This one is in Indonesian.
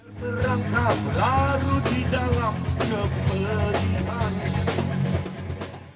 terangkan laru di dalam keberiman